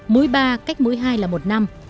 mũi ba cách mũi hai là một năm